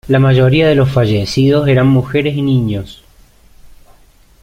La mayoría de los fallecidos eran mujeres y niños.